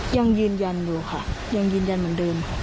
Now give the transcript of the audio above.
ยังยืนยันอยู่ค่ะยังยืนยันเหมือนเดิมค่ะ